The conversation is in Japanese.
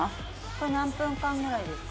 これ何分間ぐらいですか？